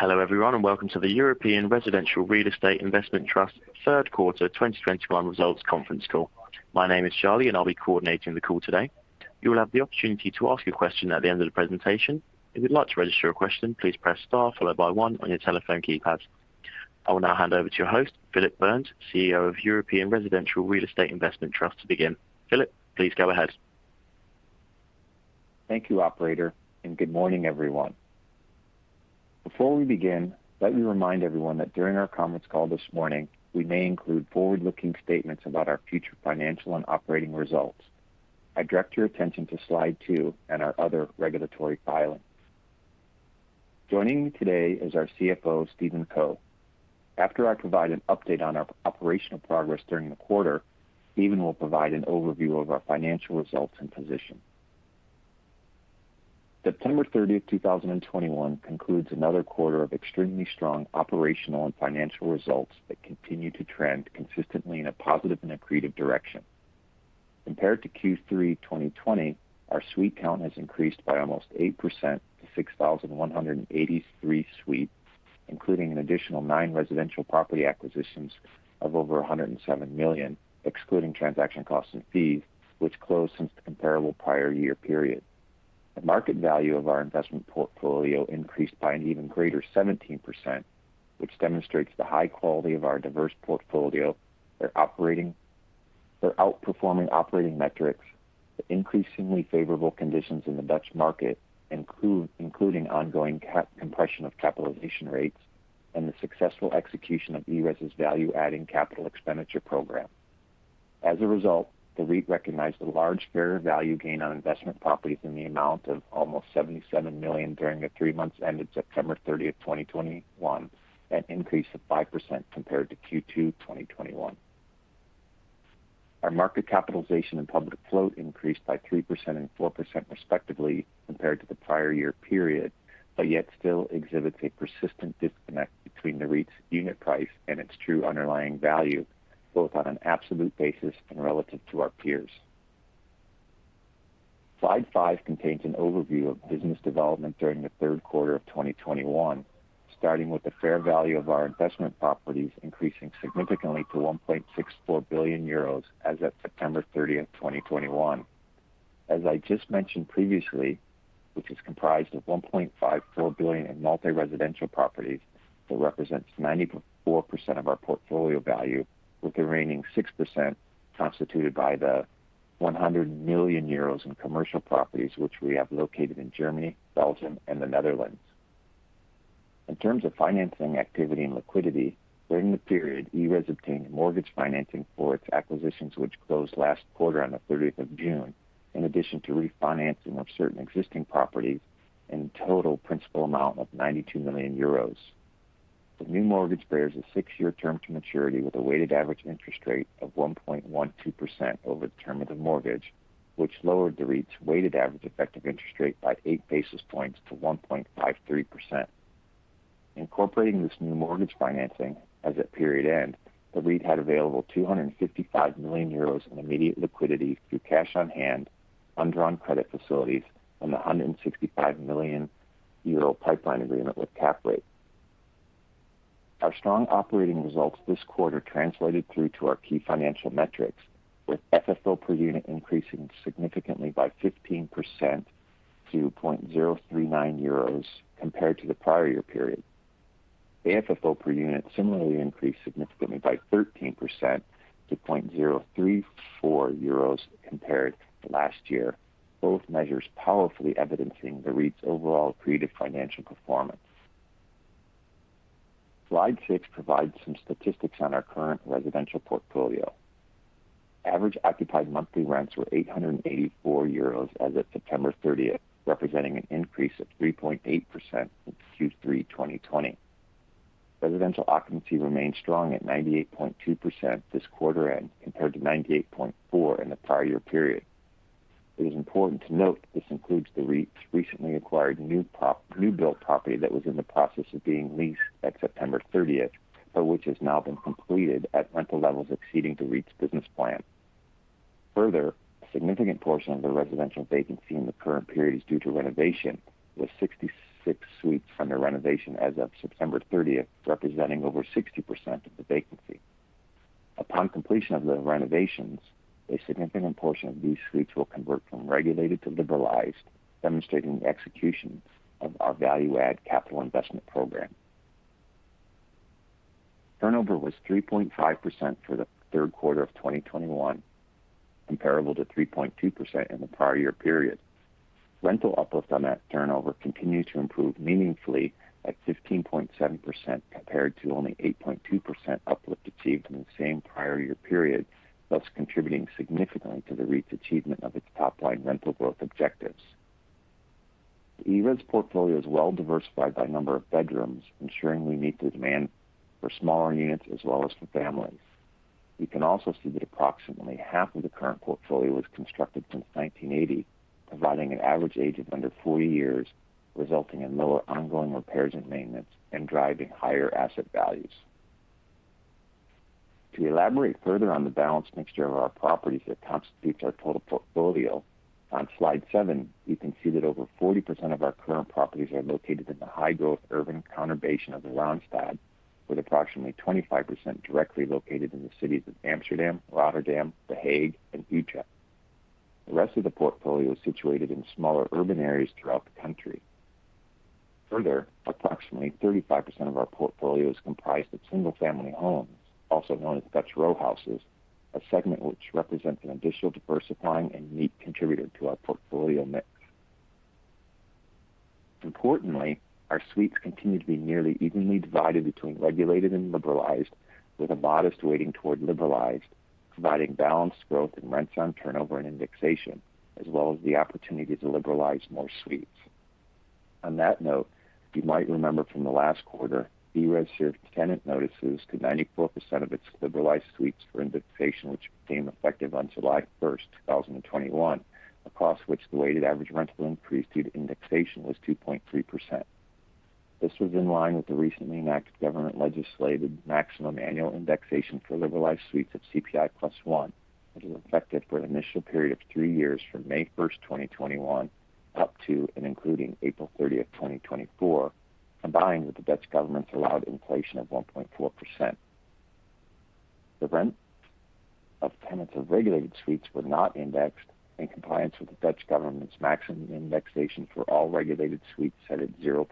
Hello everyone, and welcome to the European Residential Real Estate Investment Trust third quarter 2021 results conference call. My name is Charlie, and I'll be coordinating the call today. You will have the opportunity to ask your question at the end of the presentation. If you'd like to register your question, please press Star followed by one on your telephone keypad. I will now hand over to your host, Phillip Burns, CEO of European Residential Real Estate Investment Trust, to begin. Phillip, please go ahead. Thank you, operator, and good morning, everyone. Before we begin, let me remind everyone that during our comments call this morning, we may include forward-looking statements about our future financial and operating results. I direct your attention to slide two and our other regulatory filings. Joining me today is our CFO, Stephen Co. After I provide an update on our operational progress during the quarter, Stephen will provide an overview of our financial results and position. September 30, 2021 concludes another quarter of extremely strong operational and financial results that continue to trend consistently in a positive and accretive direction. Compared to Q3 2020, our suite count has increased by almost 8% to 6,183 suites, including an additional nine residential property acquisitions of over 107 million, excluding transaction costs and fees, which closed since the comparable prior year period. The market value of our investment portfolio increased by an even greater 17%, which demonstrates the high quality of our diverse portfolio. They're outperforming operating metrics, the increasingly favorable conditions in the Dutch market, including ongoing cap rate compression of capitalization rates, and the successful execution of ERES's value-adding capital expenditure program. As a result, the REIT recognized a large fair value gain on investment properties in the amount of almost 77 million during the three months ended September 30, 2021, an increase of 5% compared to Q2 2021. Our market capitalization and public float increased by 3% and 4% respectively compared to the prior year period, but yet still exhibits a persistent disconnect between the REIT's unit price and its true underlying value, both on an absolute basis and relative to our peers. Slide 5 contains an overview of business development during Q3 2021, starting with the fair value of our investment properties increasing significantly to 1.64 billion euros as of September 30, 2021. As I just mentioned previously, which is comprised of 1.54 billion in multi-residential properties that represents 94% of our portfolio value, with the remaining 6% constituted by the 100 million euros in commercial properties, which we have located in Germany, Belgium, and the Netherlands. In terms of financing activity and liquidity, during the period, ERES obtained mortgage financing for its acquisitions, which closed last quarter on the 30th of June, in addition to refinancing of certain existing properties in a total principal amount of 92 million euros. The new mortgage bears a 6-year term to maturity with a weighted average interest rate of 1.12% over the term of the mortgage, which lowered the REIT's weighted average effective interest rate by 8 basis points to 1.53%. Incorporating this new mortgage financing as at period end, the REIT had available 255 million euros in immediate liquidity through cash on hand, undrawn credit facilities, and a 165 million euro pipeline agreement with CAPREIT. Our strong operating results this quarter translated through to our key financial metrics, with FFO per unit increasing significantly by 15% to 0.039 euros compared to the prior year period. AFFO per unit similarly increased significantly by 13% to 0.034 euros compared to last year, both measures powerfully evidencing the REIT's overall accretive financial performance. Slide six provides some statistics on our current residential portfolio. Average occupied monthly rents were 884 euros as of September 30, representing an increase of 3.8% in Q3 2020. Residential occupancy remained strong at 98.2% this quarter end compared to 98.4% in the prior year period. It is important to note this includes the REIT's recently acquired new prop, new build property that was in the process of being leased at September 30, but which has now been completed at rental levels exceeding the REIT's business plan. Further, a significant portion of the residential vacancy in the current period is due to renovation, with 66 suites under renovation as of September 30, representing over 60% of the vacancy. Upon completion of the renovations, a significant portion of these suites will convert from regulated to liberalized, demonstrating the execution of our value add capital investment program. Turnover was 3.5% for the third quarter of 2021, comparable to 3.2% in the prior year period. Rental uplift on that turnover continued to improve meaningfully at 15.7% compared to only 8.2% uplift achieved in the same prior year period, thus contributing significantly to the REIT's achievement of its top-line rental growth objectives. ERES portfolio is well diversified by number of bedrooms, ensuring we meet the demand for smaller units as well as for families. You can also see that approximately half of the current portfolio was constructed since 1980, providing an average age of under 40 years, resulting in lower ongoing repairs and maintenance and driving higher asset values. To elaborate further on the balanced mixture of our properties that constitutes our total portfolio, on slide 7, you can see that over 40% of our current properties are located in the high-growth urban conurbation of Randstad, with approximately 25% directly located in the cities of Amsterdam, Rotterdam, The Hague, and Utrecht. The rest of the portfolio is situated in smaller urban areas throughout the country. Further, approximately 35% of our portfolio is comprised of single-family homes, also known as Dutch row houses, a segment which represents an additional diversifying and unique contributor to our portfolio mix. Importantly, our suites continue to be nearly evenly divided between regulated and liberalized, with a modest weighting toward liberalized, providing balanced growth in rents on turnover and indexation, as well as the opportunity to liberalize more suites. On that note, you might remember from the last quarter, ERES served tenant notices to 94% of its liberalized suites for indexation, which became effective on July 1, 2021, across which the weighted average rental increase due to indexation was 2.3%. This was in line with the recently enacted government legislated maximum annual indexation for liberalized suites at CPI plus one, which was effective for an initial period of three years from May 1, 2021, up to and including April 30, 2024, combined with the Dutch government's allowed inflation of 1.4%. The rent of tenants of regulated suites was not indexed in compliance with the Dutch government's maximum indexation for all regulated suites set at 0%,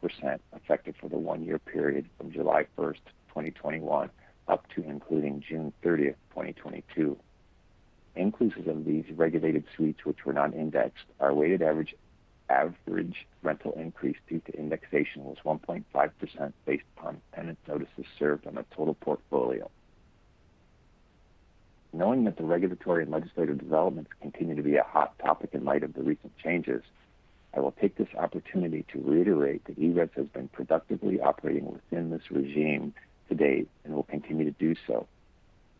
effective for the one-year period from July 1st, 2021, up to and including June 30th, 2022. Inclusive of these regulated suites which were not indexed, our weighted average rental increase due to indexation was 1.5% based upon tenant notices served on our total portfolio. Knowing that the regulatory and legislative developments continue to be a hot topic in light of the recent changes, I will take this opportunity to reiterate that ERES has been productively operating within this regime to date and will continue to do so.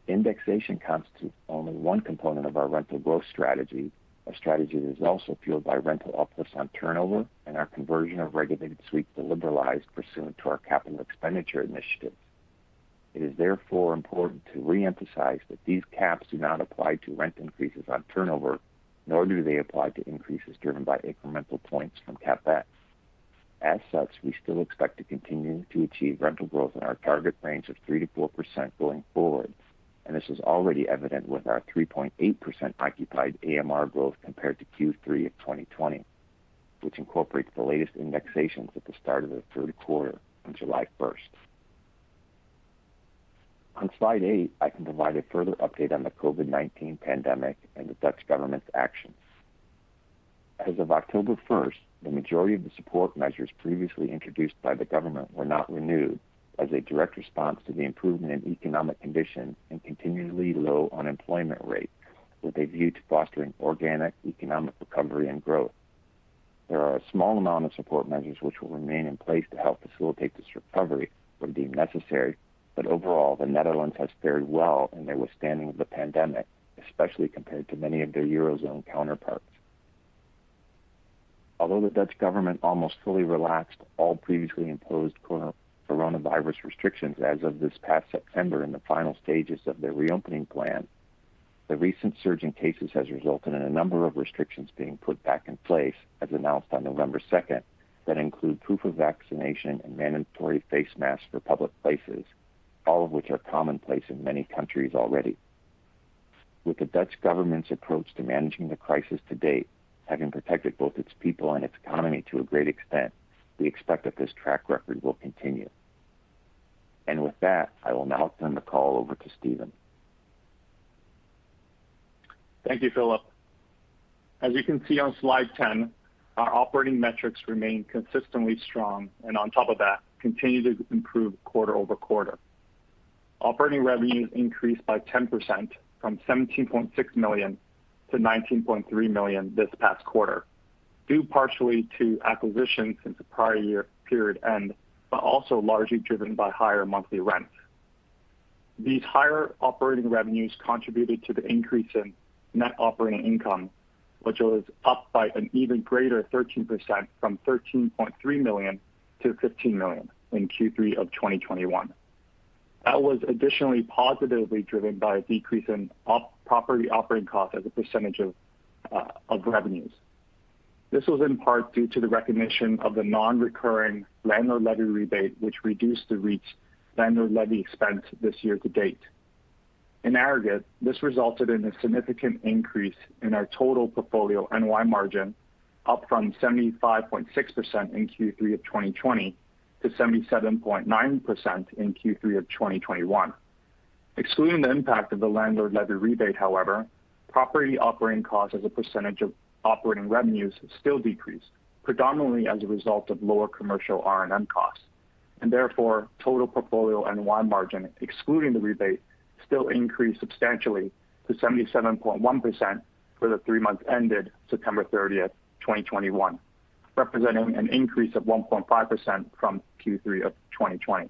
Indexation constitutes only one component of our rental growth strategy. A strategy that is also fueled by rental uplifts on turnover and our conversion of regulated suites to liberalized pursuant to our capital expenditure initiative. It is therefore important to reemphasize that these caps do not apply to rent increases on turnover, nor do they apply to increases driven by incremental points from CapEx. As such, we still expect to continue to achieve rental growth in our target range of 3%-4% going forward. This is already evident with our 3.8% occupied AMR growth compared to Q3 of 2020, which incorporates the latest indexations at the start of the third quarter on July 1. On slide 8, I can provide a further update on the COVID-19 pandemic and the Dutch government's actions. As of October 1, the majority of the support measures previously introduced by the government were not renewed as a direct response to the improvement in economic conditions and continually low unemployment rate, with a view to fostering organic economic recovery and growth. There are a small amount of support measures which will remain in place to help facilitate this recovery where deemed necessary. Overall, the Netherlands has fared well in their withstanding of the pandemic, especially compared to many of their Eurozone counterparts. Although the Dutch government almost fully relaxed all previously imposed coronavirus restrictions as of this past September in the final stages of their reopening plan, the recent surge in cases has resulted in a number of restrictions being put back in place, as announced on November 2, that include proof of vaccination and mandatory face masks for public places, all of which are commonplace in many countries already. With the Dutch government's approach to managing the crisis to date, having protected both its people and its economy to a great extent, we expect that this track record will continue. With that, I will now turn the call over to Stephen. Thank you, Phillip. As you can see on slide 10, our operating metrics remain consistently strong and on top of that, continue to improve quarter-over-quarter. Operating revenues increased by 10% from 17.6 million to 19.3 million this past quarter, due partially to acquisitions since the prior year period end, but also largely driven by higher monthly rents. These higher operating revenues contributed to the increase in net operating income, which was up by an even greater 13% from 13.3 million to 15 million in Q3 of 2021. That was additionally positively driven by a decrease in property operating cost as a percentage of revenues. This was in part due to the recognition of the non-recurring landlord levy rebate, which reduced the REIT's landlord levy expense this year to date. In aggregate, this resulted in a significant increase in our total portfolio NOI margin up from 75.6% in Q3 of 2020 to 77.9% in Q3 of 2021. Excluding the impact of the landlord levy rebate, however, property operating costs as a percentage of operating revenues still decreased, predominantly as a result of lower commercial R&M costs, and therefore total portfolio NOI margin, excluding the rebate, still increased substantially to 77.1% for the three months ended September 30, 2021, representing an increase of 1.5% from Q3 of 2020.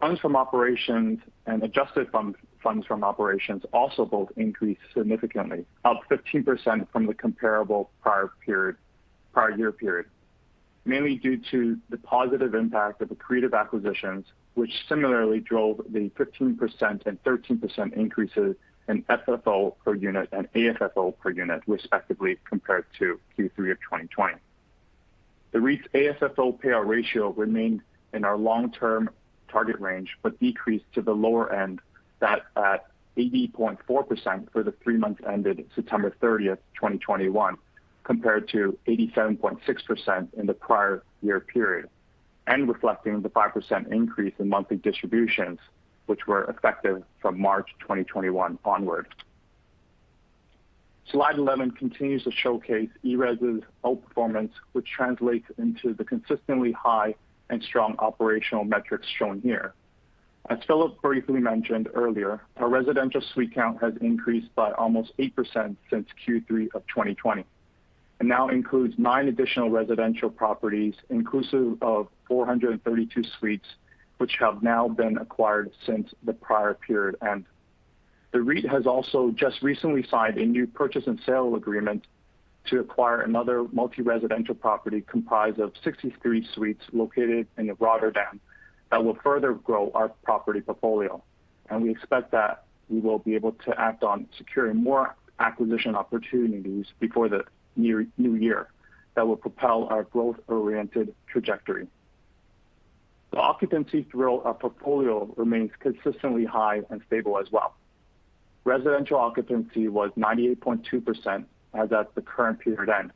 Funds from operations and adjusted funds from operations also both increased significantly, up 15% from the comparable prior period, prior year period. Mainly due to the positive impact of accretive acquisitions, which similarly drove the 15% and 13% increases in FFO per unit and AFFO per unit respectively compared to Q3 of 2020. The REIT's AFFO payout ratio remained in our long-term target range, but decreased to the lower end that at 80.4% for the three months ended September 30, 2021, compared to 87.6% in the prior year period. Reflecting the 5% increase in monthly distributions, which were effective from March 2021 onward. Slide 11 continues to showcase ERES' outperformance, which translates into the consistently high and strong operational metrics shown here. As Phillip briefly mentioned earlier, our residential suite count has increased by almost 8% since Q3 of 2020, and now includes 9 additional residential properties inclusive of 432 suites, which have now been acquired since the prior period end. The REIT has also just recently signed a new purchase and sale agreement to acquire another multi-residential property comprised of 63 suites located in Rotterdam that will further grow our property portfolio. We expect that we will be able to act on securing more acquisition opportunities before the new year that will propel our growth-oriented trajectory. The occupancy throughout our portfolio remains consistently high and stable as well. Residential occupancy was 98.2% as at the current period end,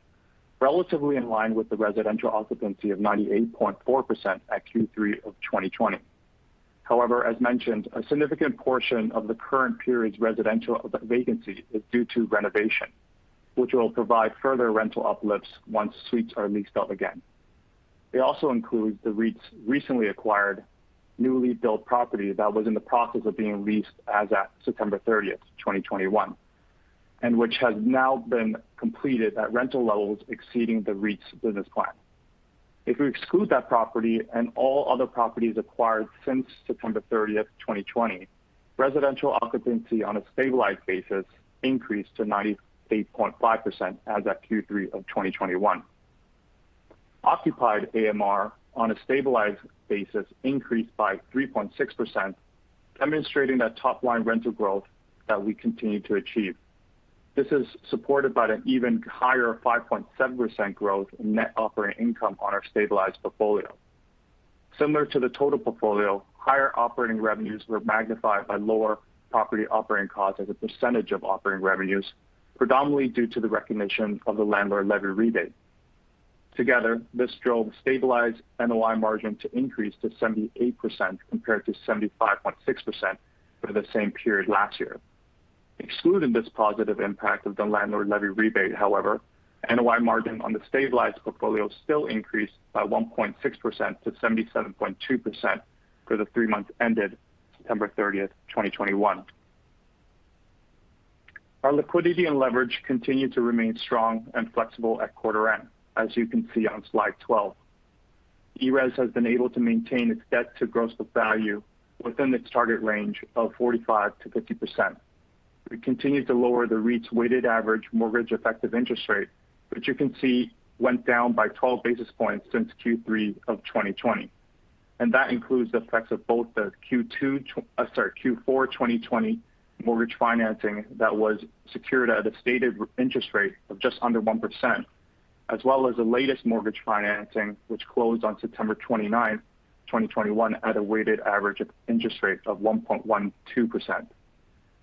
relatively in line with the residential occupancy of 98.4% at Q3 of 2020. However, as mentioned, a significant portion of the current period's residential vacancies is due to renovation, which will provide further rental uplifts once suites are leased out again. It also includes the REIT's recently acquired newly built property that was in the process of being leased as at September 30, 2021, and which has now been completed at rental levels exceeding the REIT's business plan. If we exclude that property and all other properties acquired since September 30, 2020, residential occupancy on a stabilized basis increased to 98.5% as at Q3 2021. Occupied AMR on a stabilized basis increased by 3.6%, demonstrating that top-line rental growth that we continue to achieve. This is supported by an even higher 5.7% growth in net operating income on our stabilized portfolio. Similar to the total portfolio, higher operating revenues were magnified by lower property operating costs as a percentage of operating revenues, predominantly due to the recognition of the landlord levy rebate. Together, this drove stabilized NOI margin to increase to 78% compared to 75.6% for the same period last year. Excluding this positive impact of the landlord levy rebate, however, NOI margin on the stabilized portfolio still increased by 1.6% to 77.2% for the three months ended September 30, 2021. Our liquidity and leverage continued to remain strong and flexible at quarter end, as you can see on slide 12. ERES has been able to maintain its debt to gross book value within its target range of 45%-50%. We continue to lower the REIT's weighted average mortgage effective interest rate, which you can see went down by 12 basis points since Q3 of 2020. That includes the effects of both the Q4 2020 mortgage financing that was secured at a stated interest rate of just under 1%, as well as the latest mortgage financing, which closed on September 29, 2021, at a weighted average of interest rate of 1.12%.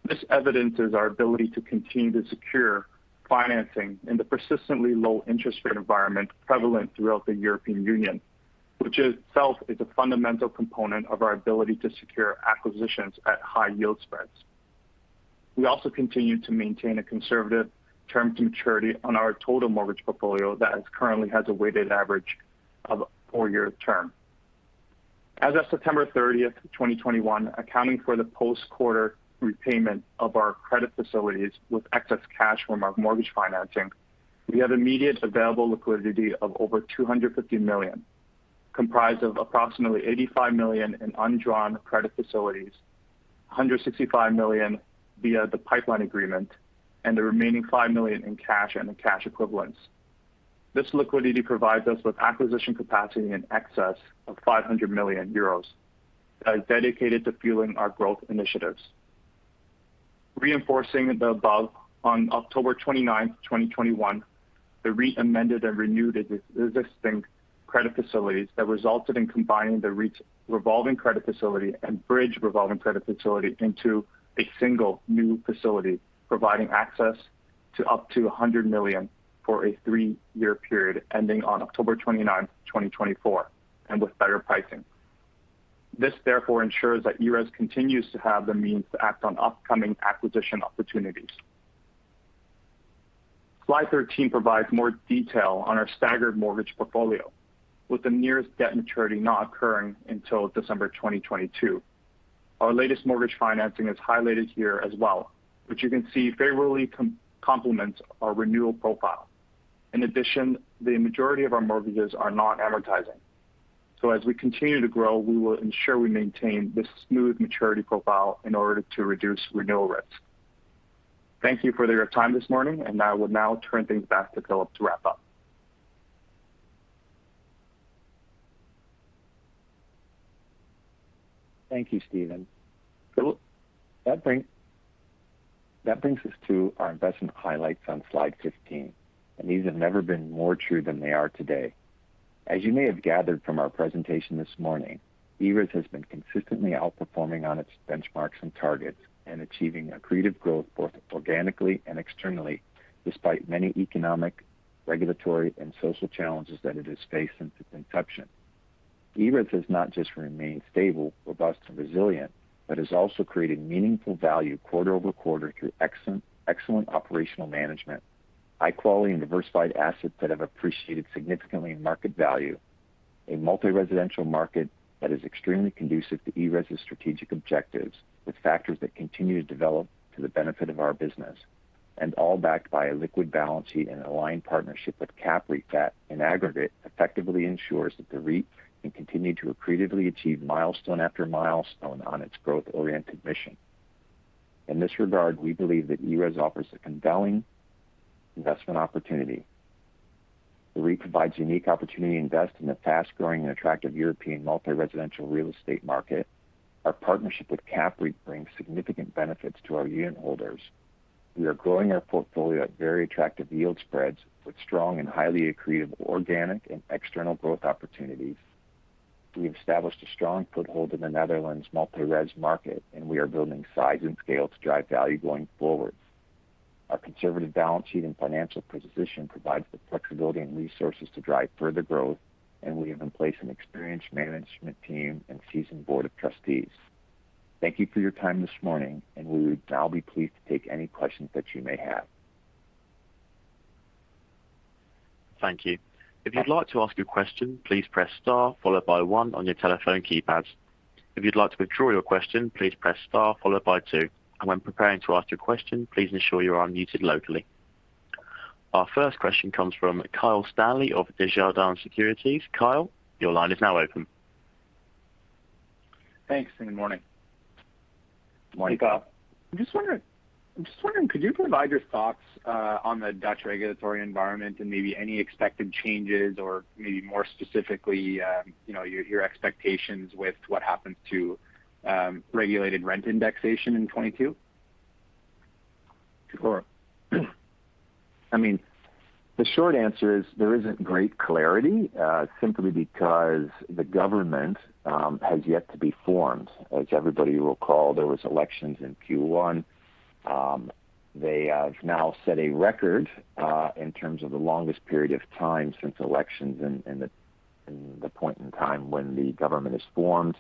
This evidences our ability to continue to secure financing in the persistently low interest rate environment prevalent throughout the European Union, which itself is a fundamental component of our ability to secure acquisitions at high yield spreads. We also continue to maintain a conservative term to maturity on our total mortgage portfolio that currently has a weighted average of a 4-year term. As of September 30, 2021, accounting for the post-quarter repayment of our credit facilities with excess cash from our mortgage financing, we have immediate available liquidity of over 250 million, comprised of approximately 85 million in undrawn credit facilities, 165 million via the pipeline agreement, and the remaining 5 million in cash and cash equivalents. This liquidity provides us with acquisition capacity in excess of 500 million euros that is dedicated to fueling our growth initiatives. Reinforcing the above, on October 29, 2021, the REIT amended and renewed existing credit facilities that resulted in combining the REIT's revolving credit facility and bridge revolving credit facility into a single new facility, providing access to up to 100 million for a three-year period ending on October 29, 2024, and with better pricing. This therefore ensures that ERES continues to have the means to act on upcoming acquisition opportunities. Slide 13 provides more detail on our staggered mortgage portfolio, with the nearest debt maturity not occurring until December 2022. Our latest mortgage financing is highlighted here as well, which you can see favorably complements our renewal profile. In addition, the majority of our mortgages are not amortizing. As we continue to grow, we will ensure we maintain this smooth maturity profile in order to reduce renewal risk. Thank you for your time this morning, and I will now turn things back to Philip to wrap up. Thank you, Stephen. That brings us to our investment highlights on slide 15, and these have never been more true than they are today. As you may have gathered from our presentation this morning, ERES has been consistently outperforming on its benchmarks and targets and achieving accretive growth, both organically and externally, despite many economic, regulatory, and social challenges that it has faced since its inception. ERES has not just remained stable, robust, and resilient, but has also created meaningful value quarter over quarter through excellent operational management, high quality and diversified assets that have appreciated significantly in market value. A multi-residential market that is extremely conducive to ERES' strategic objectives, with factors that continue to develop to the benefit of our business, and all backed by a liquid balance sheet and an aligned partnership with CAPREIT that in aggregate effectively ensures that the REIT can continue to accretively achieve milestone after milestone on its growth-oriented mission. In this regard, we believe that ERES offers a compelling investment opportunity. The REIT provides unique opportunity to invest in the fast-growing and attractive European multi-residential real estate market. Our partnership with CAPREIT brings significant benefits to our unitholders. We are growing our portfolio at very attractive yield spreads with strong and highly accretive organic and external growth opportunities. We have established a strong foothold in the Netherlands multi-res market, and we are building size and scale to drive value going forward. Our conservative balance sheet and financial position provides the flexibility and resources to drive further growth, and we have in place an experienced management team and seasoned board of trustees. Thank you for your time this morning, and we would now be pleased to take any questions that you may have. Thank you. If you like to ask your question, please press star followed by one on your telephone keypad. If you like to withdraw your question, please press star followed by two. And when you're preparing to ask your question, please ensure you're unmuted. Our first question comes from Kyle Stanley of Desjardins Capital Markets. Kyle, your line is now open. Thanks, and good morning. Morning, Kyle. I'm just wondering, could you provide your thoughts on the Dutch regulatory environment and maybe any expected changes or maybe more specifically, you know, your expectations with what happens to regulated rent indexation in 2022? Sure. I mean, the short answer is there isn't great clarity, simply because the government has yet to be formed. As everybody will recall, there was elections in Q1. They have now set a record in terms of the longest period of time since elections and the point in time when the government is formed.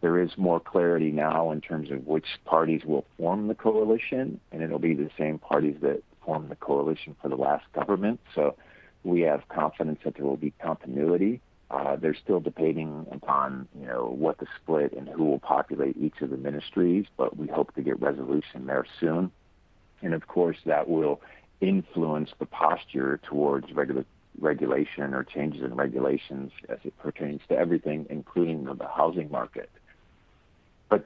There is more clarity now in terms of which parties will form the coalition, and it'll be the same parties that formed the coalition for the last government. We have confidence that there will be continuity. They're still debating upon, you know, what the split and who will populate each of the ministries, but we hope to get resolution there soon. Of course, that will influence the posture towards regulation or changes in regulations as it pertains to everything, including the housing market.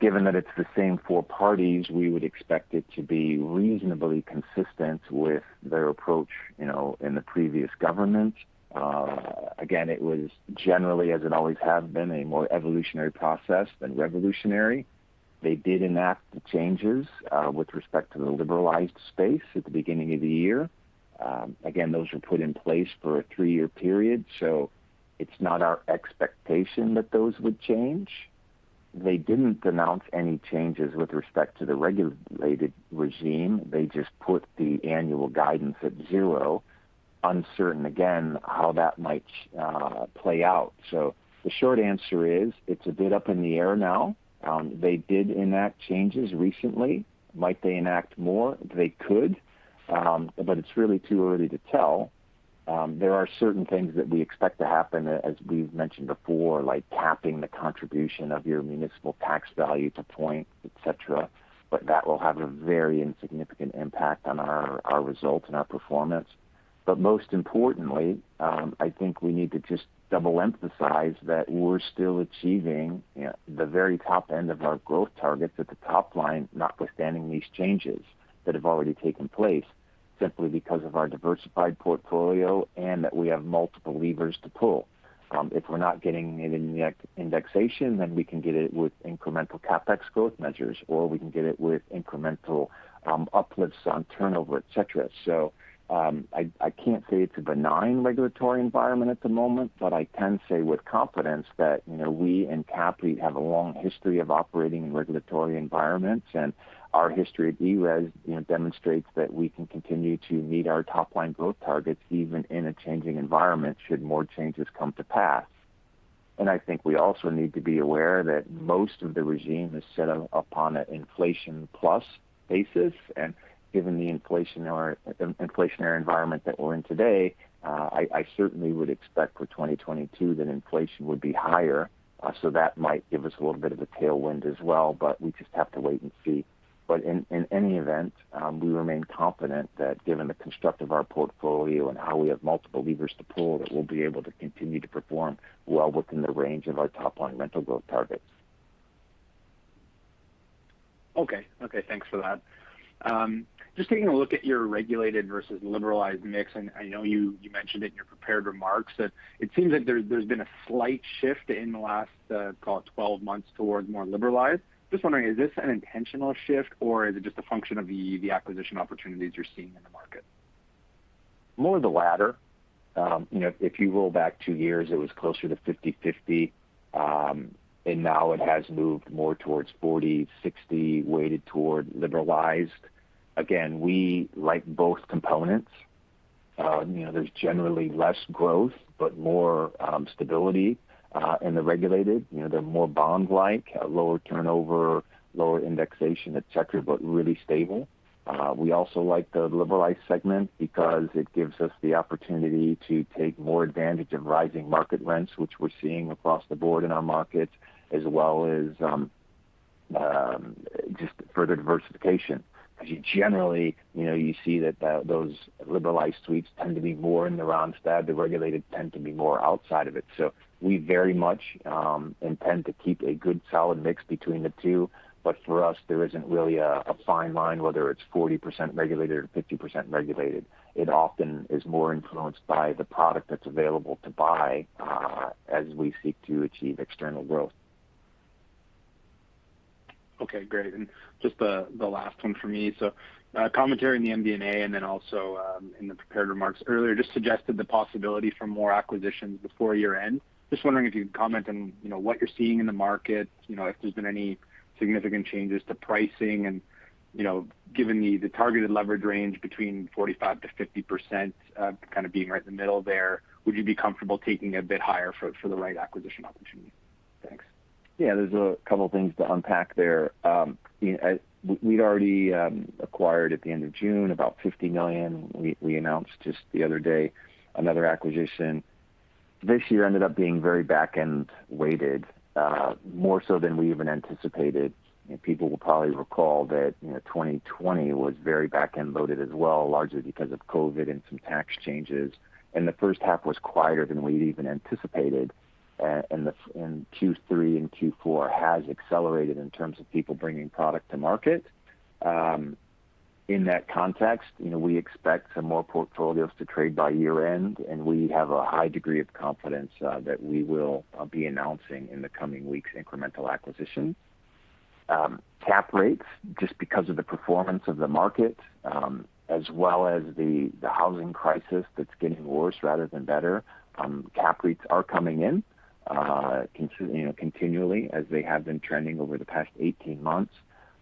Given that it's the same four parties, we would expect it to be reasonably consistent with their approach, you know, in the previous government. Again, it was generally, as it always had been, a more evolutionary process than revolutionary. They did enact the changes with respect to the liberalized space at the beginning of the year. Again, those were put in place for a three-year period. It's not our expectation that those would change. They didn't announce any changes with respect to the regulated regime. They just put the annual guidance at zero. Uncertain again how that might play out. The short answer is it's a bit up in the air now. They did enact changes recently. Might they enact more? They could, but it's really too early to tell. There are certain things that we expect to happen, as we've mentioned before, like capping the contribution of your municipal tax value to point, et cetera. That will have a very insignificant impact on our results and our performance. Most importantly, I think we need to just double emphasize that we're still achieving, you know, the very top end of our growth targets at the top line, notwithstanding these changes that have already taken place, simply because of our diversified portfolio and that we have multiple levers to pull. If we're not getting it in the indexation, then we can get it with incremental CapEx growth measures, or we can get it with incremental uplifts on turnover, et cetera. I can't say it's a benign regulatory environment at the moment, but I can say with confidence that, you know, we and CAPREIT have a long history of operating in regulatory environments, and our history at ERES, you know, demonstrates that we can continue to meet our top-line growth targets even in a changing environment should more changes come to pass. I think we also need to be aware that most of the regime is set up upon an inflation plus basis. Given the inflationary environment that we're in today, I certainly would expect for 2022 that inflation would be higher. So that might give us a little bit of a tailwind as well, but we just have to wait and see. In any event, we remain confident that given the construct of our portfolio and how we have multiple levers to pull, that we'll be able to continue to perform well within the range of our top-line rental growth targets. Okay, thanks for that. Just taking a look at your regulated versus liberalized mix, and I know you mentioned it in your prepared remarks that it seems like there's been a slight shift in the last, call it 12 months towards more liberalized. Just wondering, is this an intentional shift or is it just a function of the acquisition opportunities you're seeing in the market? More of the latter. You know, if you roll back two years, it was closer to 50/50, and now it has moved more towards 40/60 weighted toward liberalized. Again, we like both components. You know, there's generally less growth, but more stability in the regulated. You know, they're more bond-like, lower turnover, lower indexation, et cetera, but really stable. We also like the liberalized segment because it gives us the opportunity to take more advantage of rising market rents, which we're seeing across the board in our markets, as well as just further diversification. Because you generally, you know, you see that those liberalized suites tend to be more in the Randstad, the regulated tend to be more outside of it. We very much intend to keep a good solid mix between the two. For us, there isn't really a fine line, whether it's 40% regulated or 50% regulated. It often is more influenced by the product that's available to buy, as we seek to achieve external growth. Okay, great. Just the last one for me. Commentary in the MD&A, and then also in the prepared remarks earlier, just suggested the possibility for more acquisitions before year-end. Just wondering if you could comment on, you know, what you're seeing in the market, you know, if there's been any significant changes to pricing. Given the targeted leverage range between 45%-50%, kind of being right in the middle there, would you be comfortable taking a bit higher for the right acquisition opportunity? Thanks. Yeah, there's a couple of things to unpack there. You know, we'd already acquired at the end of June about 50 million. We announced just the other day, another acquisition. This year ended up being very back-end weighted, more so than we even anticipated. People will probably recall that, you know, 2020 was very back-end loaded as well, largely because of COVID and some tax changes. The first half was quieter than we'd even anticipated. Q3 and Q4 has accelerated in terms of people bringing product to market. In that context, you know, we expect some more portfolios to trade by year-end, and we have a high degree of confidence that we will be announcing in the coming weeks incremental acquisition. Cap rates, just because of the performance of the market, as well as the housing crisis that's getting worse rather than better, cap rates are coming in, you know, continually as they have been trending over the past 18 months.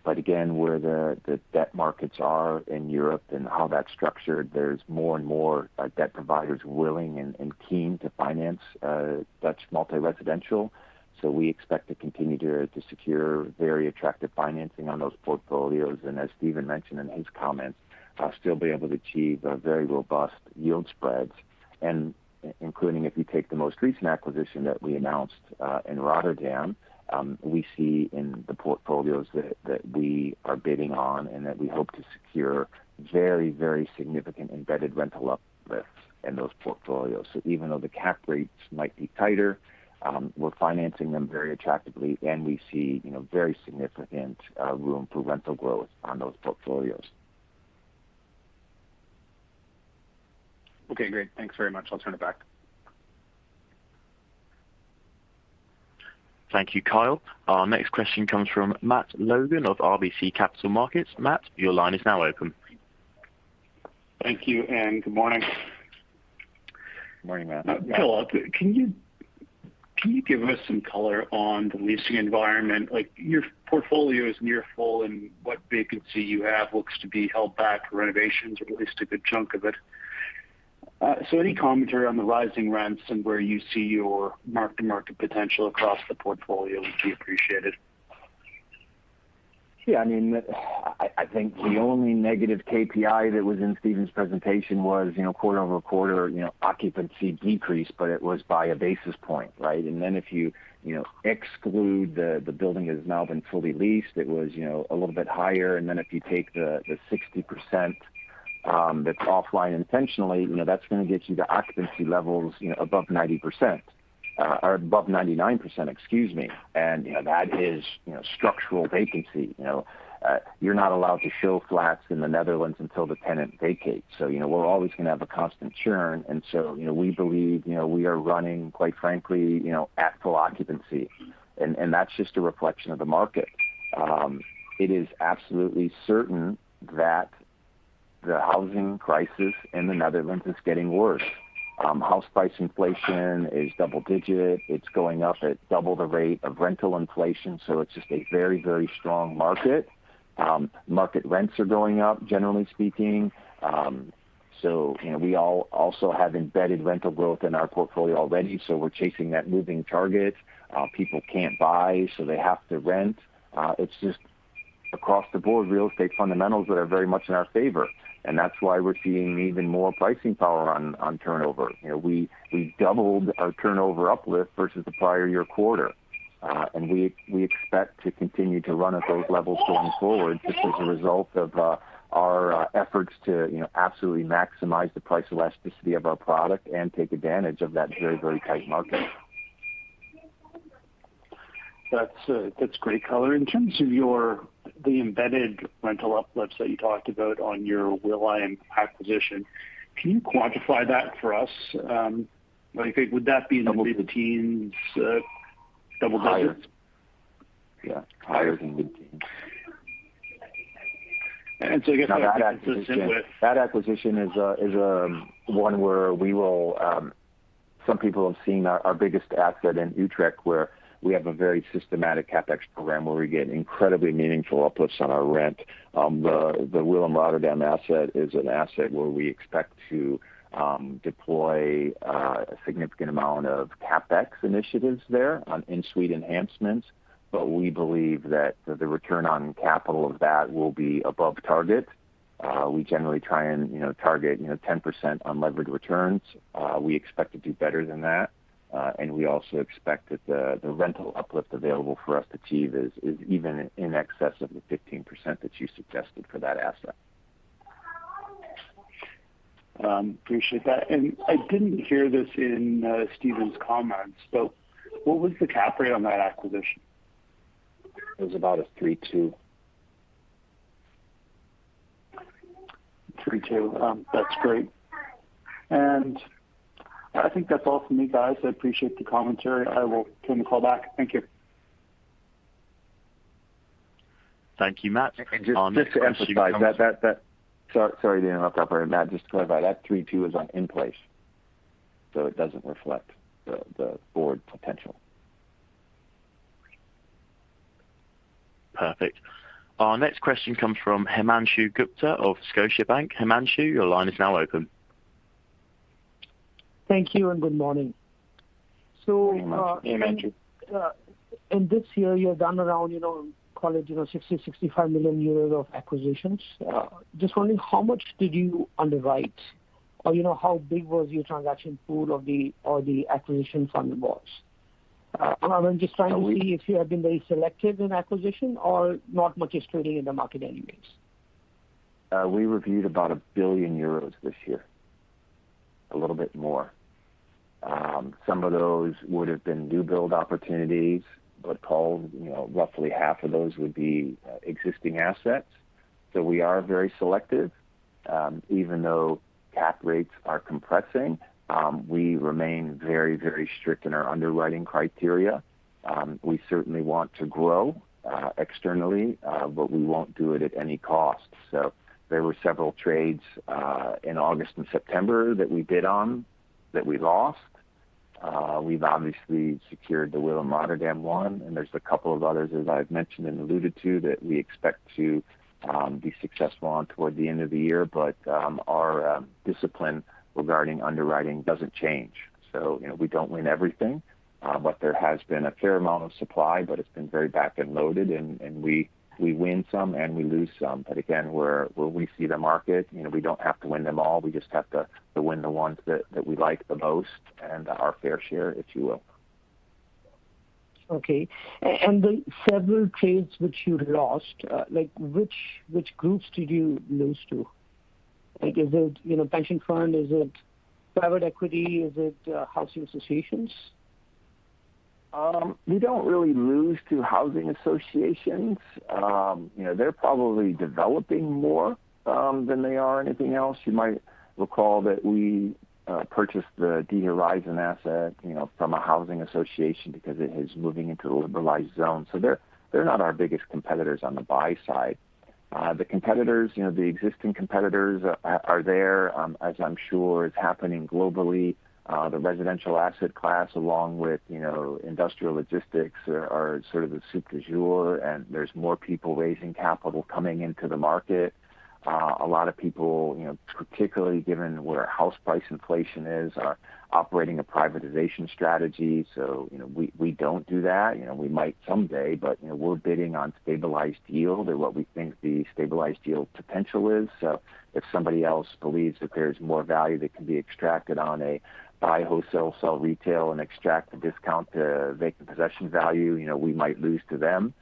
Again, where the debt markets are in Europe and how that's structured, there's more and more debt providers willing and keen to finance Dutch multi-residential. We expect to continue to secure very attractive financing on those portfolios. As Stephen mentioned in his comments, still be able to achieve very robust yield spreads. Including if you take the most recent acquisition that we announced in Rotterdam, we see in the portfolios that we are bidding on and that we hope to secure very significant embedded rental uplifts in those portfolios. Even though the cap rates might be tighter, we're financing them very attractively, and we see, you know, very significant room for rental growth on those portfolios. Okay, great. Thanks very much. I'll turn it back. Thank you, Kyle. Our next question comes from Matt Logan of RBC Capital Markets. Matt, your line is now open. Thank you, and good morning. Good morning, Matt. Phillip, can you give us some color on the leasing environment? Like, your portfolio is near full, and what vacancy you have looks to be held back for renovations, or at least a good chunk of it. So any commentary on the rising rents and where you see your mark-to-market potential across the portfolio would be appreciated. Yeah, I mean, I think the only negative KPI that was in Stephen's presentation was, you know, quarter-over-quarter, you know, occupancy decreased, but it was by a basis point, right? Then if you know, exclude the building that has now been fully leased, it was, you know, a little bit higher. Then if you take the 60%, that's offline intentionally, you know, that's gonna get you to occupancy levels, you know, above 90%. Or above 99%, excuse me. That is, you know, structural vacancy. You know, you're not allowed to show flats in the Netherlands until the tenant vacates. We're always gonna have a constant churn. We believe, you know, we are running, quite frankly, you know, at full occupancy. That's just a reflection of the market. It is absolutely certain that the housing crisis in the Netherlands is getting worse. House price inflation is double-digit. It's going up at double the rate of rental inflation. It's just a very, very strong market. Market rents are going up, generally speaking. You know, we all also have embedded rental growth in our portfolio already. We're chasing that moving target. People can't buy, so they have to rent. It's just across the board real estate fundamentals that are very much in our favor. That's why we're seeing even more pricing power on turnover. You know, we doubled our turnover uplift versus the prior year quarter. We expect to continue to run at those levels going forward just as a result of our efforts to, you know, absolutely maximize the price elasticity of our product and take advantage of that very, very tight market. That's, that's great color. In terms of the embedded rental uplifts that you talked about on your Willem acquisition, can you quantify that for us? Like, would that be in the mid-teens, double digits? Higher. Yeah, higher than mid-teens. I guess. That acquisition is one where we will. Some people have seen our biggest asset in Utrecht where we have a very systematic CapEx program where we get incredibly meaningful uplifts on our rent. The Willem Rotterdam asset is an asset where we expect to deploy a significant amount of CapEx initiatives there on in-suite enhancements. We believe that the return on capital of that will be above target. We generally try and, you know, target, you know, 10% on levered returns. We expect to do better than that. We also expect that the rental uplift available for us to achieve is even in excess of the 15% that you suggested for that asset. I didn't hear this in Stephen's comments, but what was the cap rate on that acquisition? It was about a 3.2. Three two. That's great. I think that's all for me, guys. I appreciate the commentary. I will turn the call back. Thank you. Thank you, Matt. Our next question comes. Just to emphasize that. Sorry to interrupt, operator Matt. Just to clarify, that 3.2 is in-place. It doesn't reflect the upside potential. Perfect. Our next question comes from Himanshu Gupta of Scotiabank. Himanshu, your line is now open. Thank you and good morning. Good morning, Himanshu. In this year, you've done around, call it, 60 million-65 million euros of acquisitions. Just wondering how much did you underwrite? Or, how big was your transaction pool, or the acquisition funding was? I'm just trying to see if you have been very selective in acquisition or not much is trading in the market anyways. We reviewed about 1 billion euros this year, a little bit more. Some of those would have been new build opportunities, but, you know, roughly half of those would be existing assets. We are very selective. Even though cap rates are compressing, we remain very, very strict in our underwriting criteria. We certainly want to grow externally, but we won't do it at any cost. There were several trades in August and September that we bid on that we lost. We've obviously secured the Willem Rotterdam one, and there's a couple of others, as I've mentioned and alluded to, that we expect to be successful on toward the end of the year. Our discipline regarding underwriting doesn't change. You know, we don't win everything, but there has been a fair amount of supply, but it's been very back-end loaded and we win some and we lose some. But again, where we see the market, you know, we don't have to win them all. We just have to win the ones that we like the most and our fair share, if you will. Okay. The several trades which you lost, like which groups did you lose to? Like, is it, you know, pension fund? Is it private equity? Is it housing associations? We don't really lose to housing associations. You know, they're probably developing more than they are anything else. You might recall that we purchased the De Horizon asset, you know, from a housing association because it is moving into a liberalized zone. They're not our biggest competitors on the buy side. The competitors, you know, the existing competitors are there, as I'm sure is happening globally. The residential asset class, along with, you know, industrial logistics are sort of the soup du jour, and there's more people raising capital coming into the market. A lot of people, you know, particularly given where house price inflation is, are operating a privatization strategy. You know, we don't do that. You know, we might someday, but, you know, we're bidding on stabilized yield or what we think the stabilized yield potential is. If somebody else believes that there's more value that can be extracted on a buy wholesale, sell retail and extract the discount to vacant possession value, you know, we might lose to them.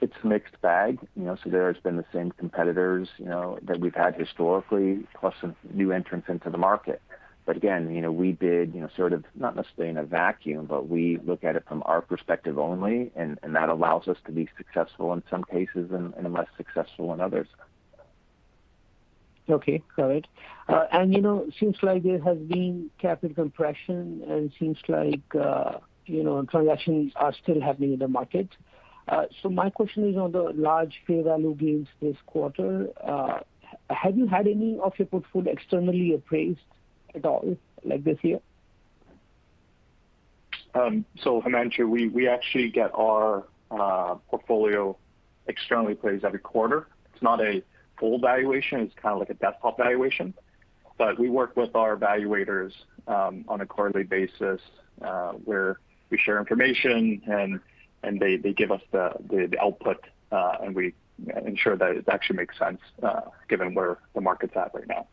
It's a mixed bag. You know, there has been the same competitors, you know, that we've had historically, plus some new entrants into the market. Again, you know, we bid, you know, sort of not necessarily in a vacuum, but we look at it from our perspective only and that allows us to be successful in some cases and less successful in others. Okay. Got it. You know, seems like there has been capital compression, and it seems like, you know, transactions are still happening in the market. My question is on the large fair value gains this quarter, have you had any of your portfolio externally appraised at all, like this year? Himanshu, we actually get our portfolio externally appraised every quarter. It's not a full valuation. It's kind of like a desktop valuation. We work with our evaluators on a quarterly basis, where we share information and they give us the output and we ensure that it actually makes sense given where the market's at right now.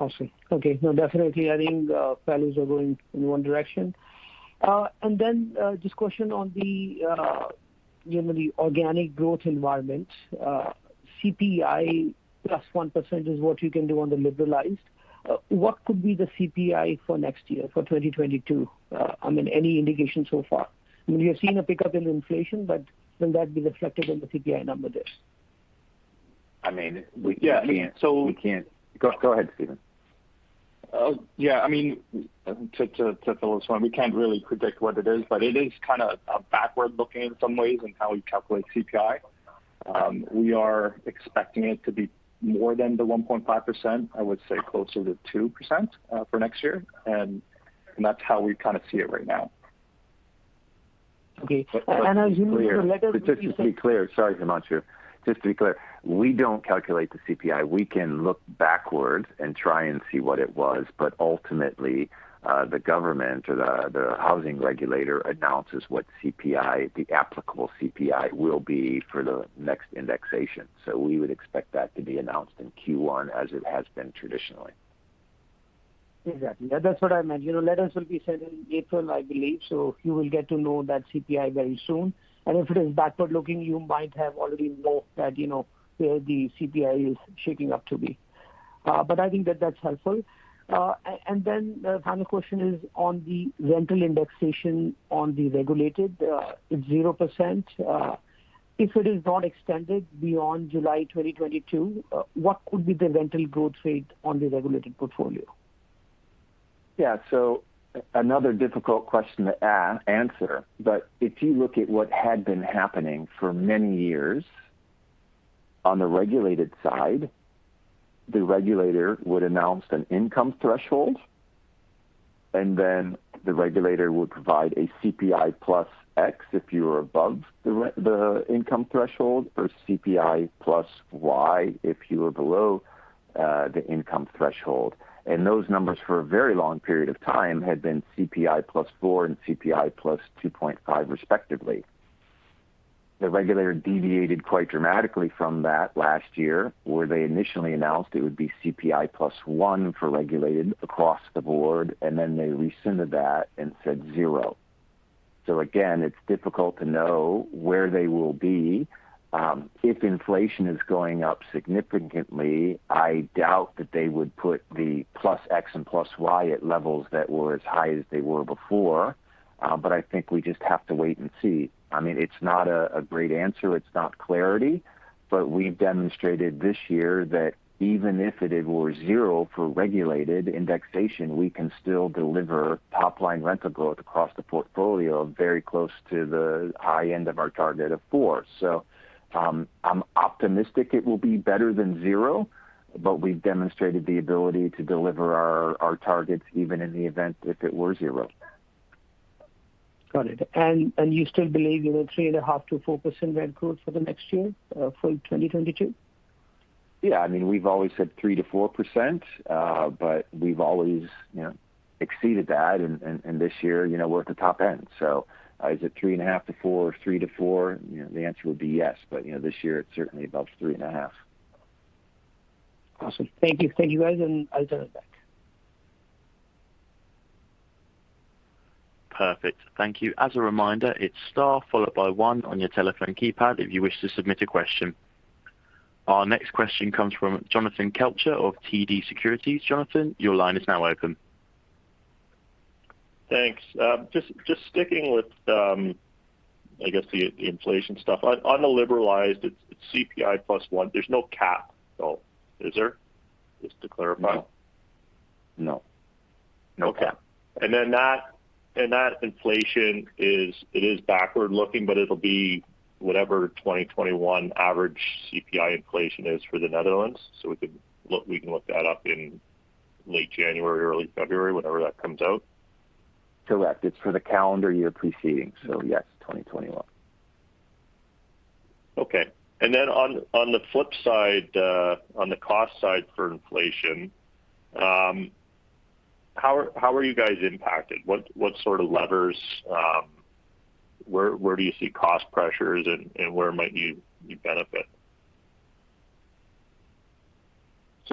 Awesome. Okay. No, definitely I think, values are going in one direction. Just question on the general organic growth environment. CPI plus 1% is what you can do on the liberalized. What could be the CPI for next year, for 2022? I mean, any indication so far? I mean, we have seen a pickup in inflation, but will that be reflected in the CPI number this? I mean, we can't. Yeah. Go ahead, Stephen. Yeah, I mean, to fill this one, we can't really predict what it is, but it is kinda a backward-looking in some ways in how we calculate CPI. We are expecting it to be more than the 1.5%. I would say closer to 2% for next year. That's how we kinda see it right now. Okay. As you know, the letter will be sent. Just to be clear. Sorry, Himanshu. Just to be clear, we don't calculate the CPI. We can look backwards and try and see what it was. But ultimately, the government or the housing regulator announces what CPI, the applicable CPI will be for the next indexation. We would expect that to be announced in Q1 as it has been traditionally. Exactly. That's what I meant. You know, letters will be sent in April, I believe. You will get to know that CPI very soon. If it is backward-looking, you might have already known that, you know, where the CPI is shaping up to be. I think that that's helpful. Then the final question is on the rental indexation on the regulated 0%. If it is not extended beyond July 2022, what could be the rental growth rate on the regulated portfolio? Yeah. Another difficult question to answer. If you look at what had been happening for many years on the regulated side, the regulator would announce an income threshold, and then the regulator would provide a CPI plus X if you were above the income threshold or CPI plus Y if you were below the income threshold. Those numbers for a very long period of time had been CPI plus 4 and CPI plus 2.5, respectively. The regulator deviated quite dramatically from that last year, where they initially announced it would be CPI plus 1 for regulated across the board, and then they rescinded that and said 0. Again, it's difficult to know where they will be. If inflation is going up significantly, I doubt that they would put the plus X and plus Y at levels that were as high as they were before. I think we just have to wait and see. I mean, it's not a great answer, it's not clarity, but we've demonstrated this year that even if it were zero for regulated indexation, we can still deliver top-line rental growth across the portfolio very close to the high end of our target of four. I'm optimistic it will be better than zero, but we've demonstrated the ability to deliver our targets even in the event if it were zero. Got it. You still believe in a 3.5%-4% rent growth for the next year, full 2022? Yeah. I mean, we've always said 3%-4%, but we've always, you know, exceeded that. This year, you know, we're at the top end. Is it 3.5%-4% or 3%-4%? You know, the answer would be yes. This year it's certainly above 3.5%. Awesome. Thank you. Thank you, guys, and I'll turn it back. Perfect. Thank you. As a reminder, it's star followed by one on your telephone keypad if you wish to submit a question. Our next question comes from Jonathan Kelcher of TD Securities. Jonathan, your line is now open. Thanks. Just sticking with the inflation stuff. On the liberalized, it's CPI plus 1. There's no cap though, is there? Just to clarify. No. No cap. Okay. That inflation is, it is backward-looking, but it'll be whatever 2021 average CPI inflation is for the Netherlands. We can look that up in late January or early February, whenever that comes out. Correct. It's for the calendar year preceding. Yes, 2021. Okay. Then on the flip side, on the cost side for inflation, how are you guys impacted? What sort of levers, where do you see cost pressures and where might you benefit?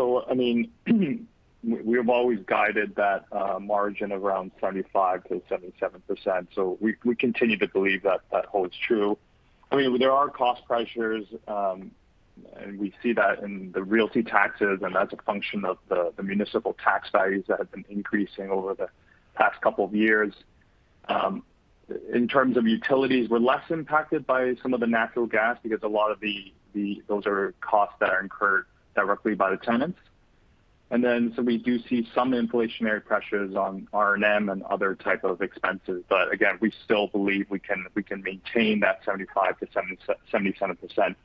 I mean we have always guided that margin around 75%-77%. We continue to believe that that holds true. I mean, there are cost pressures, and we see that in the realty taxes, and that's a function of the municipal tax values that have been increasing over the past couple of years. In terms of utilities, we're less impacted by some of the natural gas because a lot of those are costs that are incurred directly by the tenants. We do see some inflationary pressures on R&M and other type of expenses. Again, we still believe we can maintain that 75%-77%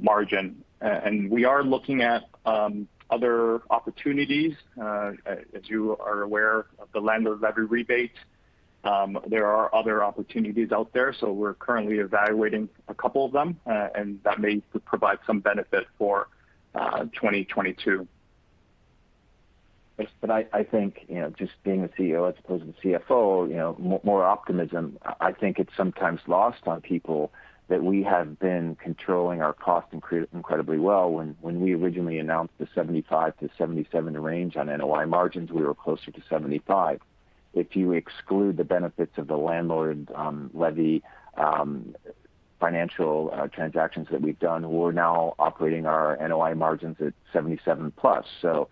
margin. We are looking at other opportunities. As you are aware of the landlord levy rebate, there are other opportunities out there. We're currently evaluating a couple of them, and that may provide some benefit for 2022. Yes. I think, you know, just being a CEO, as opposed to CFO, you know, more optimism. I think it's sometimes lost on people that we have been controlling our cost incredibly well. When we originally announced the 75%-77% range on NOI margins, we were closer to 75%. If you exclude the benefits of the landlord levy financial transactions that we've done, we're now operating our NOI margins at 77%+. You know,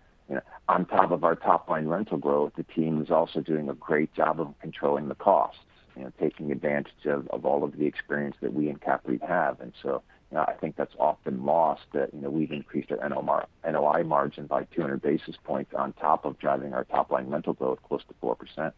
on top of our top line rental growth, the team is also doing a great job of controlling the costs, you know, taking advantage of all of the experience that we and CAPREIT have. You know, I think that's often lost that, you know, we've increased our NOI margin by 200 basis points on top of driving our top line rental growth close to 4%.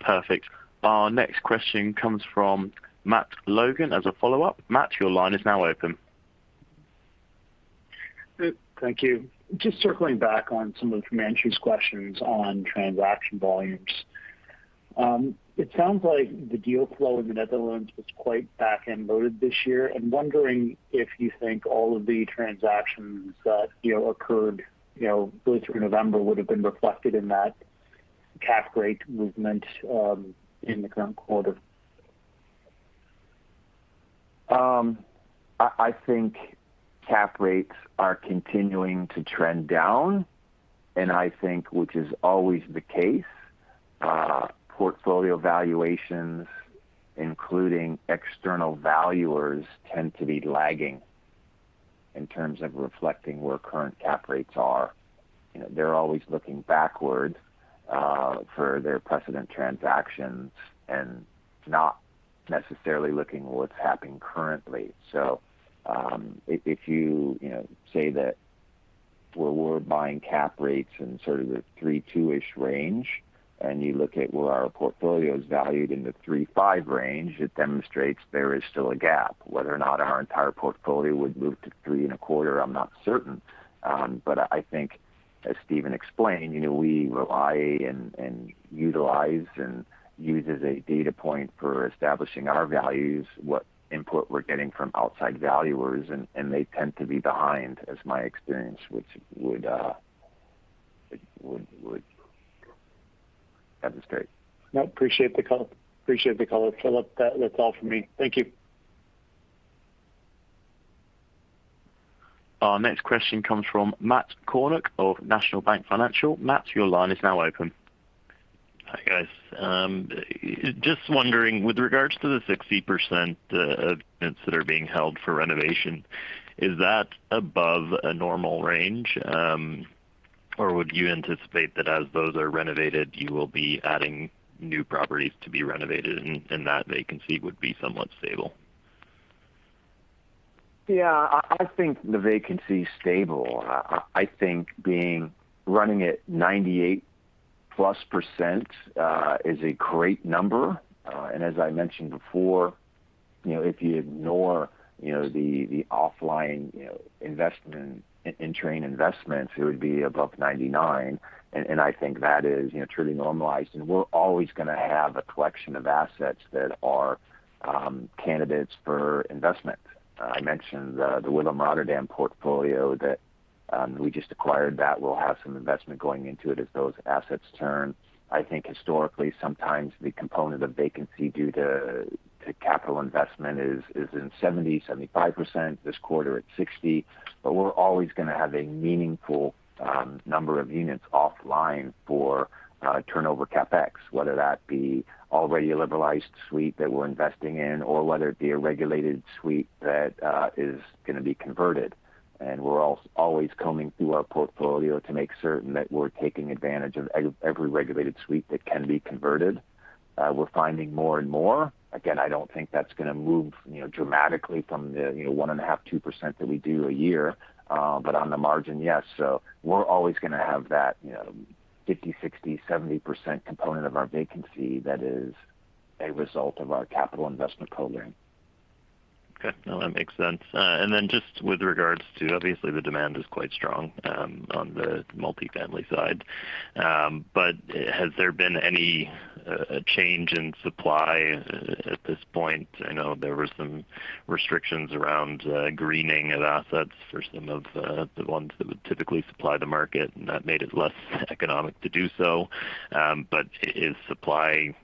Perfect. Our next question comes from Matt Logan as a follow-up. Matt, your line is now open. Thank you. Just circling back on some of the financial questions on transaction volumes. It sounds like the deal flow in the Netherlands was quite back-end loaded this year. I'm wondering if you think all of the transactions that, you know, occurred, you know, through to November would have been reflected in that cap rate movement, in the current quarter. I think cap rates are continuing to trend down, and I think, which is always the case, portfolio valuations, including external valuers, tend to be lagging in terms of reflecting where current cap rates are. You know, they're always looking backward, for their precedent transactions and not necessarily looking at what's happening currently. If you know, say that we're buying cap rates in sort of the 3.2%-ish range, and you look at where our portfolio is valued in the 3.5% range, it demonstrates there is still a gap. Whether or not our entire portfolio would move to 3.25%, I'm not certain. I think as Stephen explained, you know, we rely and utilize and use as a data point for establishing our values, what input we're getting from outside valuers, and they tend to be behind in my experience, which would demonstrate. No, I appreciate the call. I appreciate the call, Phillip. That's all for me. Thank you. Our next question comes from Matt Kornack of National Bank Financial. Matt, your line is now open. Hi, guys. Just wondering, with regards to the 60%, units that are being held for renovation, is that above a normal range? Would you anticipate that as those are renovated, you will be adding new properties to be renovated and that vacancy would be somewhat stable? Yeah. I think the vacancy is stable. I think running at 98%+ is a great number. And as I mentioned before, you know, if you ignore, you know, the offline investment in train investments, it would be above 99%. And I think that is, you know, truly normalized. And we're always gonna have a collection of assets that are candidates for investment. I mentioned the Willem Rotterdam portfolio that we just acquired, that we'll have some investment going into it as those assets turn. I think historically, sometimes the component of vacancy due to capital investment is in 70%-75% this quarter at 60%. We're always gonna have a meaningful number of units offline for turnover CapEx, whether that be already a liberalized suite that we're investing in or whether it be a regulated suite that is gonna be converted. We're always combing through our portfolio to make certain that we're taking advantage of every regulated suite that can be converted. We're finding more and more. Again, I don't think that's gonna move, you know, dramatically from the, you know, 1.5%-2% that we do a year, but on the margin, yes. We're always gonna have that, you know, 50%, 60%, 70% component of our vacancy that is a result of our capital investment program. Okay. No, that makes sense. Then just with regards to obviously the demand is quite strong on the multifamily side. Has there been any change in supply at this point? I know there were some restrictions around greening of assets for some of the ones that would typically supply the market, and that made it less economic to do so. Is supply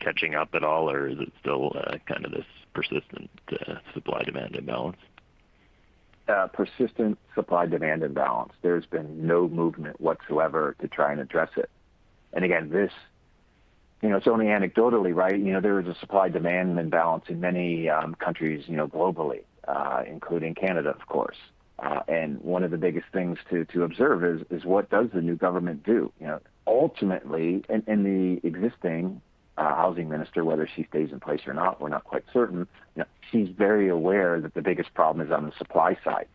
catching up at all or is it still kind of this persistent supply-demand imbalance? Persistent supply-demand imbalance. There's been no movement whatsoever to try and address it. Again, this you know, it's only anecdotally, right? You know, there is a supply-demand imbalance in many countries, you know, globally, including Canada, of course. One of the biggest things to observe is what does the new government do? You know, ultimately, and the existing housing minister, whether she stays in place or not, we're not quite certain. You know, she's very aware that the biggest problem is on the supply side.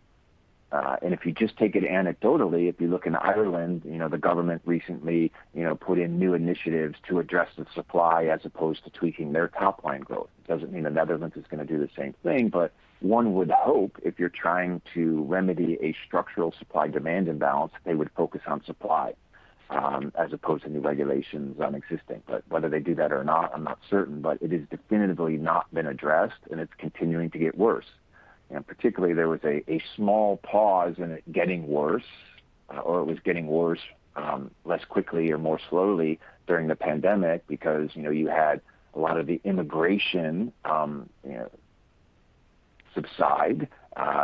If you just take it anecdotally, if you look in Ireland, you know, the government recently, you know, put in new initiatives to address the supply as opposed to tweaking their top line growth. Doesn't mean the Netherlands is gonna do the same thing, but one would hope if you're trying to remedy a structural supply-demand imbalance, they would focus on supply, as opposed to new regulations on existing. Whether they do that or not, I'm not certain. It is definitely not been addressed, and it's continuing to get worse. Particularly there was a small pause in it getting worse. Or it was getting worse, less quickly or more slowly during the pandemic because, you know, you had a lot of the immigration, you know, subside,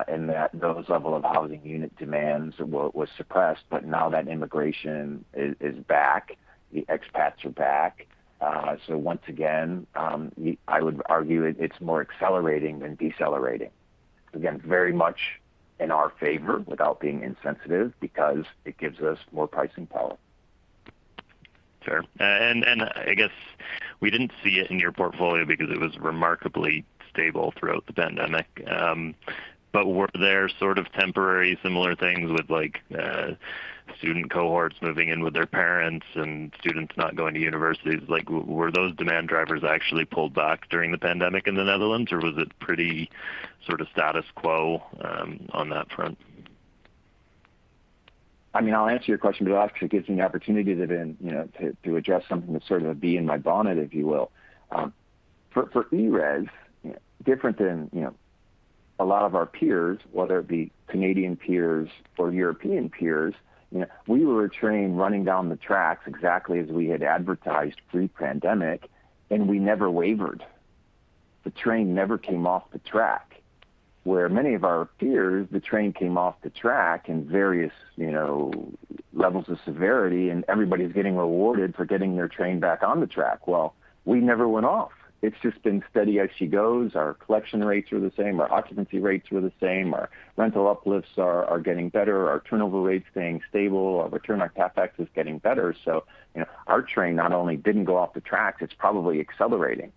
and that the level of housing unit demands were suppressed. Now that immigration is back, the expats are back. Once again, I would argue it's more accelerating than decelerating. Again, very much in our favor without being insensitive because it gives us more pricing power. Sure. I guess we didn't see it in your portfolio because it was remarkably stable throughout the pandemic. Were there sort of temporary similar things with like, student cohorts moving in with their parents and students not going to universities? Like, were those demand drivers actually pulled back during the pandemic in the Netherlands? Was it pretty sort of status quo on that front? I mean, I'll answer your question, but it'll actually gives me an opportunity to then, you know, to address something that's sort of a bee in my bonnet, if you will. For ERES, you know, different than, you know, a lot of our peers, whether it be Canadian peers or European peers, you know, we were a train running down the tracks exactly as we had advertised pre-pandemic, and we never wavered. The train never came off the track. Where many of our peers, the train came off the track in various, you know, levels of severity, and everybody's getting rewarded for getting their train back on the track. Well, we never went off. It's just been steady as she goes. Our collection rates are the same. Our occupancy rates were the same. Our rental uplifts are getting better. Our turnover rate's staying stable. Our return on CapEx is getting better. You know, our train not only didn't go off the tracks, it's probably accelerating.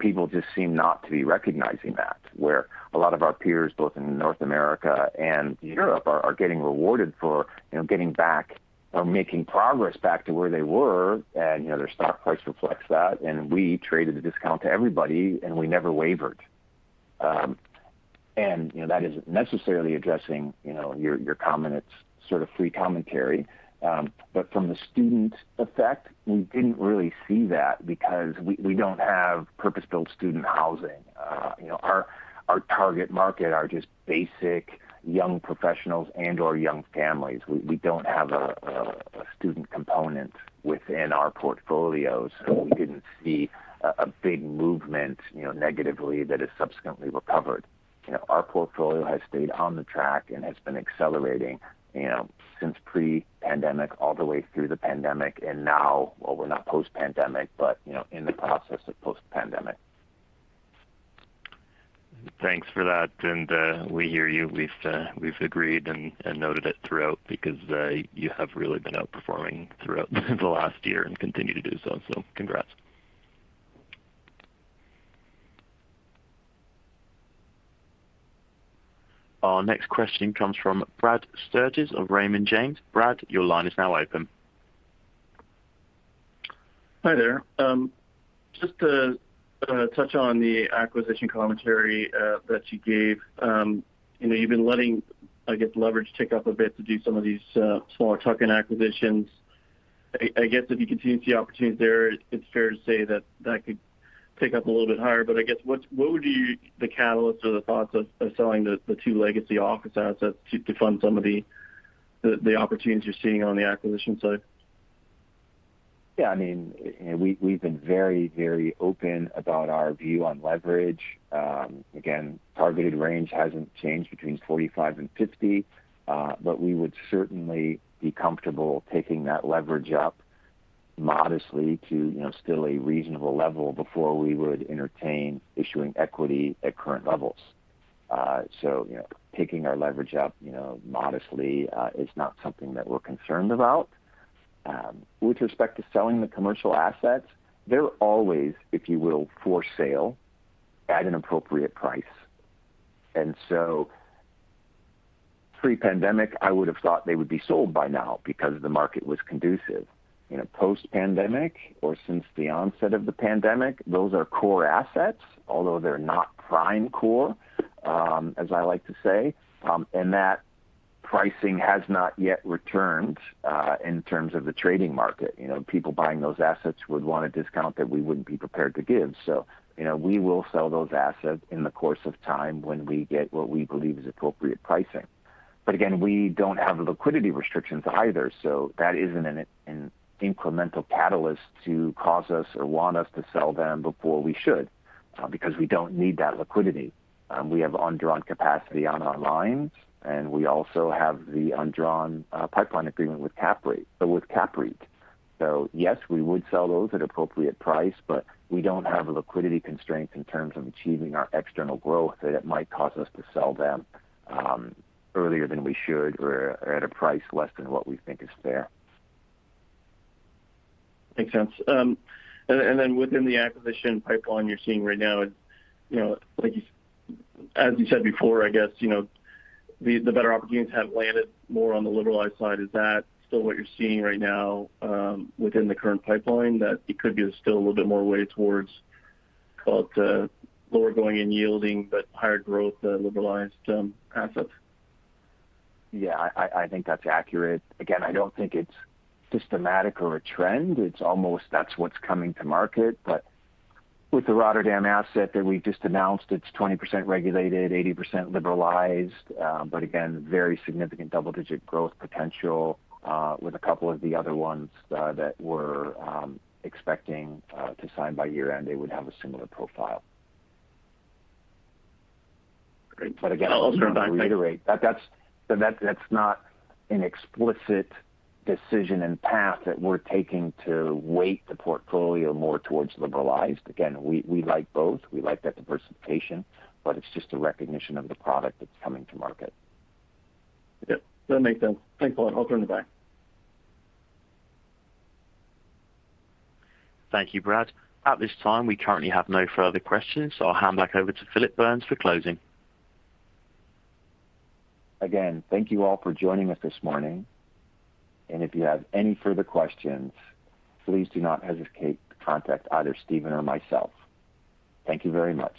People just seem not to be recognizing that, where a lot of our peers, both in North America and Europe are getting rewarded for, you know, getting back or making progress back to where they were. You know, their stock price reflects that. We traded a discount to everybody, and we never wavered. You know, that isn't necessarily addressing, you know, your comment. It's sort of free commentary. From the student effect, we didn't really see that because we don't have purpose-built student housing. You know, our target market are just basic young professionals and/or young families. We don't have a student component within our portfolios. We didn't see a big movement, you know, negatively that has subsequently recovered. You know, our portfolio has stayed on track and has been accelerating, you know, since pre-pandemic all the way through the pandemic. Now. Well, we're not post-pandemic, but you know, in the process of post-pandemic. Thanks for that. We hear you. We've agreed and noted it throughout because you have really been outperforming throughout the last year and continue to do so congrats. Our next question comes from Brad Sturges of Raymond James. Brad, your line is now open. Hi there. Just to touch on the acquisition commentary that you gave. You know, you've been letting, I guess, leverage tick up a bit to do some of these smaller tuck-in acquisitions. I guess if you continue to see opportunities there, it's fair to say that could tick up a little bit higher. I guess what would be the catalyst or the thoughts on selling the two legacy office assets to fund some of the opportunities you're seeing on the acquisition side? Yeah, I mean, you know, we've been very, very open about our view on leverage. Again, targeted range hasn't changed between 45%-50%. But we would certainly be comfortable taking that leverage up modestly to, you know, still a reasonable level before we would entertain issuing equity at current levels. So, you know, taking our leverage up, you know, modestly, is not something that we're concerned about. With respect to selling the commercial assets, they're always, if you will, for sale at an appropriate price. Pre-pandemic, I would have thought they would be sold by now because the market was conducive. You know, post-pandemic or since the onset of the pandemic, those are core assets, although they're not prime core, as I like to say. That pricing has not yet returned, in terms of the trading market. You know, people buying those assets would want a discount that we wouldn't be prepared to give. You know, we will sell those assets in the course of time when we get what we believe is appropriate pricing. Again, we don't have liquidity restrictions either, so that isn't an incremental catalyst to cause us or want us to sell them before we should, because we don't need that liquidity. We have undrawn capacity on our lines, and we also have the undrawn pipeline agreement with CAPREIT. Yes, we would sell those at appropriate price, but we don't have a liquidity constraint in terms of achieving our external growth that it might cause us to sell them earlier than we should or at a price less than what we think is fair. Makes sense. Within the acquisition pipeline you're seeing right now, you know, like as you said before, I guess, you know, the better opportunities have landed more on the liberalized side. Is that still what you're seeing right now, within the current pipeline, that it could be still a little bit more weighted towards call it, lower going-in yields but higher growth, liberalized assets? Yeah, I think that's accurate. Again, I don't think it's systematic or a trend. It's almost that's what's coming to market. With the Rotterdam asset that we just announced, it's 20% regulated, 80% liberalized. Again, very significant double-digit growth potential with a couple of the other ones that we're expecting to sign by year-end, they would have a similar profile. Great. But again- I'll turn it back. Thank you. Just to reiterate, that's not an explicit decision and path that we're taking to weight the portfolio more towards liberalized. Again, we like both. We like that diversification, but it's just a recognition of the product that's coming to market. Yeah, that makes sense. Thanks a lot. I'll turn it back. Thank you, Brad. At this time, we currently have no further questions. I'll hand back over to Phillip Burns for closing. Again, thank you all for joining us this morning. If you have any further questions, please do not hesitate to contact either Stephen or myself. Thank you very much.